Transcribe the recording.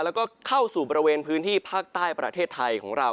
แล้วก็เข้าสู่บริเวณพื้นที่ภาคใต้ประเทศไทยของเรา